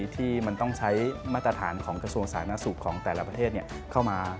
ที่มันต้องใช้มาตรฐานของกระทรวงสาธารณสุขของแต่ละประเทศเข้ามา